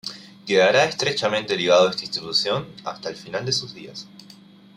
Quedará estrechamente ligado a esta institución hasta el final de sus días.